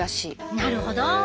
なるほど。